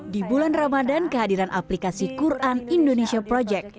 di bulan ramadan kehadiran aplikasi quran indonesia project